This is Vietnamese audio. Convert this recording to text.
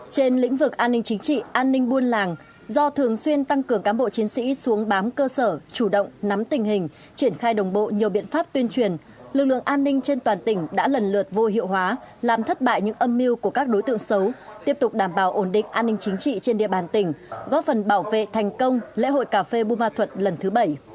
trên lĩnh vực an ninh chính trị an ninh buôn làng do thường xuyên tăng cường cám bộ chiến sĩ xuống bám cơ sở chủ động nắm tình hình triển khai đồng bộ nhiều biện pháp tuyên truyền lực lượng an ninh trên toàn tỉnh đã lần lượt vô hiệu hóa làm thất bại những âm mưu của các đối tượng xấu tiếp tục đảm bảo ổn định an ninh chính trị trên địa bàn tỉnh góp phần bảo vệ thành công lễ hội cà phê buma thuật lần thứ bảy